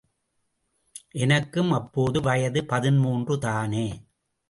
எனக்கும் அப்போது வயது பதிமூன்று தானே!